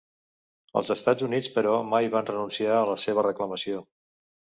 Els Estats Units però mai van renunciar a la seva reclamació.